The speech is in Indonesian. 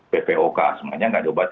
ppok semuanya nggak ada obat